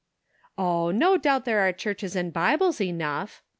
" Oh, no doubt there are churches and Bibles enough